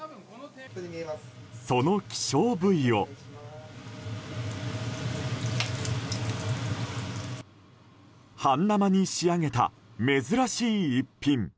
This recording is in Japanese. その希少部位を半生に仕上げた、珍しい一品。